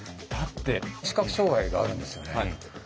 だって視覚障害があるんですよね。